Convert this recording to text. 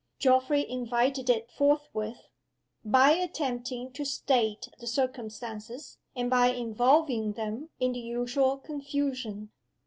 Geoffrey invited it forthwith, by attempting to state the circumstances, and by involving them in the usual confusion.